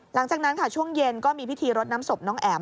หลังจากนั้นค่ะช่วงเย็นก็มีพิธีรดน้ำศพน้องแอ๋ม